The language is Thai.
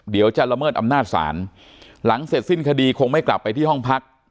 เดี๋ยวจะละเมิดอำนาจศาลหลังเสร็จสิ้นคดีคงไม่กลับไปที่ห้องพัก